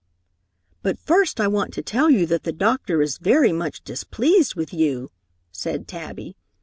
"But first I want to tell you that the doctor is very much displeased with you," said Tabby.